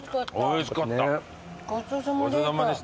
おいしかったです。